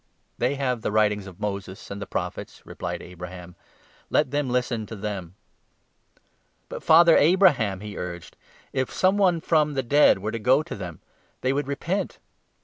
' They have the writings of Moses and the Prophets,' replied 29 Abraham ;' let them listen to them.' 'But, Father Abraham,' he urged, 'if some one from the 30 dead were to go to them, they would repent.'